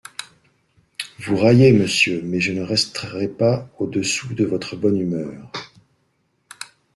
Vous raillez, monsieur ; mais je ne resterai pas au-dessous de votre bonne humeur.